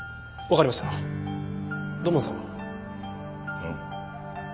うん？